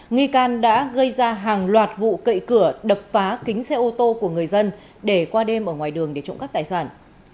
nghi can đã gây ra hàng loạt vụ cậy cửa đập phá kính xe ô tô của người dân để qua đêm ở ngoài đường để trộm cắp tài sản